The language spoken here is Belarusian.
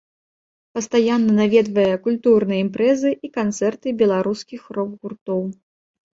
Пастаянна наведвае культурныя імпрэзы і канцэрты беларускіх рок-гуртоў.